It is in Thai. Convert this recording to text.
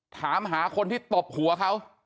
ถามหาคนที่ตบหัวเขา